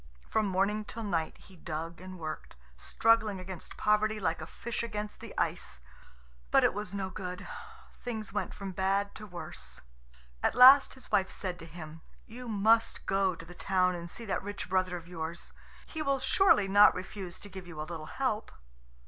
From morning till night he dug and worked, struggling against poverty like a fish against the ice; but it was no good. Things went from bad to worse. At last his wife said to him: "You must go to the town and see that rich brother of yours. He will surely not refuse to give you a little help."